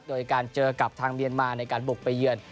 โดยการเจอกับทางเมียนมาในการบุกไปเยือน